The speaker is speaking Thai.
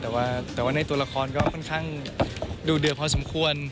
แต่ว่าในตัวละครก็ค่อนข้างดูเดือดพอสมควร